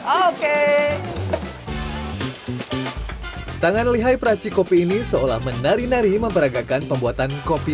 oke tangan lihai peraci kopi ini seolah menari nari memperagakan pembuatan kopi